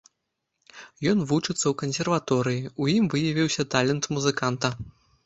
Ён вучыцца ў кансерваторыі, у ім выявіўся талент музыканта.